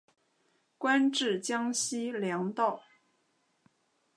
官至江西粮道。